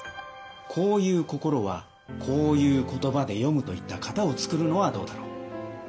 こういう心はこういう言葉で詠むといった型を創るのはどうだろう。